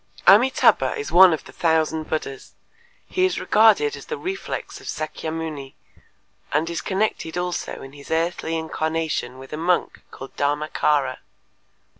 Amitâbha is one of the thousand Buddhas; he is regarded as the reflex of Sakyamuni and is connected also in his earthly incarnation with a monk called Dharmâkara.